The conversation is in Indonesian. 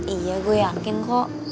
iya gue yakin kok